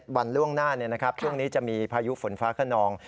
วันล่วงหน้าช่วงนี้จะมีพายุฝนฟ้าขนอง